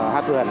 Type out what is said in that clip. hát quan họ